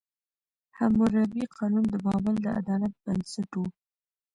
حموربي قانون د بابل د عدالت بنسټ و.